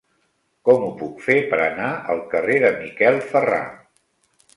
Com ho puc fer per anar al carrer de Miquel Ferrà?